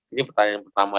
ini pertanyaan pertama